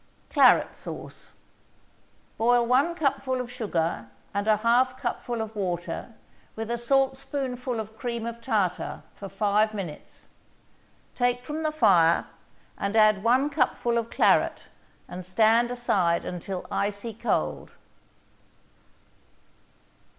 CLARET SAUCE Boil one cupful of sugar and a half cupful of water with a saltspoonful of cream of tartar for five minutes. Take from the fire and add one cupful of claret, and stand aside until icy cold.